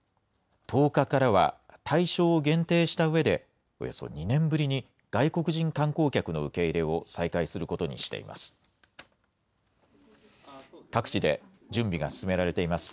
１０日からは、対象を限定したうえで、およそ２年ぶりに外国人観光客の受け入れを再開することにしています。